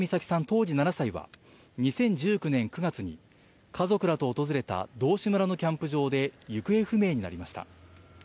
当時７歳は、２０１９年９月に、家族らと訪れた、道志村のキャンプ場で行方不明になりました。